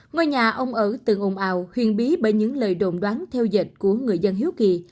ngôi nhà ông ở từng ồn ào huyền bí bởi những lời đồn đoán theo dệt của người dân hiếu kỳ